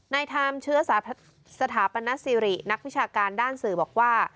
ไทม์เชื้อสถาปนสิรินักวิชาการด้านสื่อบอกว่า